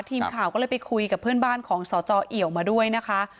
ทีมข่าวก็เลยไปคุยกับเพื่อนบ้านของสจเอี่ยวมาด้วยนะคะ